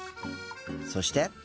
そして。